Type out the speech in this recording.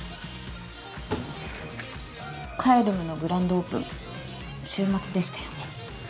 Ｃａｅｌｕｍのグランドオープン週末でしたよね。